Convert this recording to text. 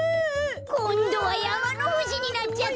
こんどはやまのふじになっちゃったよ！